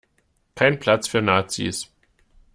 Kein Platz für Nazis.